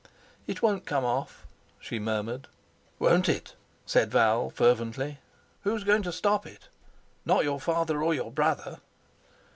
"It won't come off," she murmured. "Won't it!" said Val fervently; "who's going to stop it? Not your father or your brother."